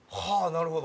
なるほど。